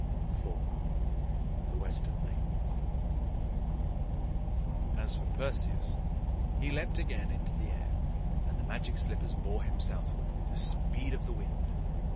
IV. THE WESTERN MAIDENS. As for Perseus, he leaped again into the air, and the Magic Slippers bore him southward with the speed of the wind.